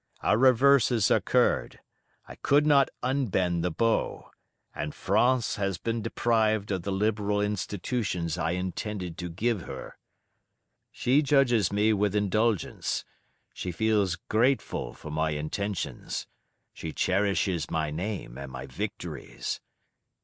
Our reverses occurred; I could not unbend the bow; and France has been deprived of the liberal institutions I intended to give her. She judges me with indulgence; she feels grateful for my intentions; she cherishes my name and my victories.